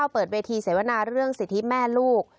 เปิดเวทีเสวนาเรื่องสิทธิแม่ลูก